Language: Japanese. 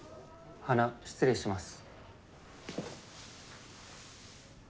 鼻失礼します。